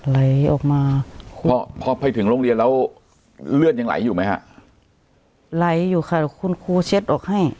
ไหลออกมาพอพอไปถึงโรงเรียนแล้วเลือดยังไหลอยู่ไหมฮะไหลอยู่ค่ะคุณครูเช็ดออกให้